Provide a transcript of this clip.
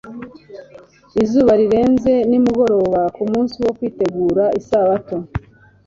Izuba rirenze nimugoroba ku munsi wo kwitegura isabato,